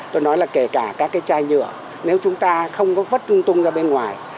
tôi nói là kể cả các cái chai nhựa nếu chúng ta không có vất trung tung ra bên ngoài